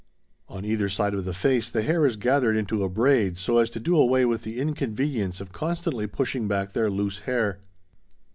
On either side of the face the hair is gathered into a braid so as to do away with the inconvenience of constantly pushing back their loose hair.